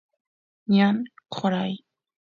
ñan qoray